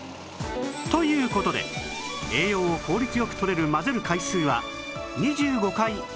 という事で栄養を効率よくとれる混ぜる回数は２５回以上